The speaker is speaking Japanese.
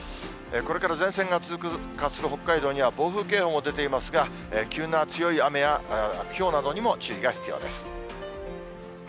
これから前線が通過する北海道には、暴風警報も出ていますが、急な強い雨やひょうなどにも注意が必要です。